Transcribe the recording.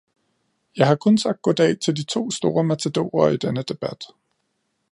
Jeg har kun sagt goddag til de to store matadorer i denne debat.